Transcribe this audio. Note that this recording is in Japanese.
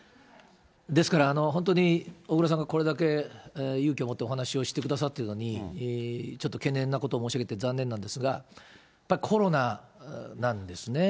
ですから、本当に小倉さんがこれだけ勇気を持ってお話をしてくださってるのに、ちょっと懸念なことを申し上げて残念なんですが、やっぱりコロナなんですね。